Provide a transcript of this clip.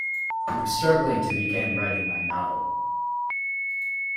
I'm struggling to begin writing my novel.